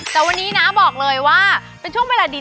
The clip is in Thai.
แต่วันนี้นะบอกเลยว่าเป็นช่วงเวลาดี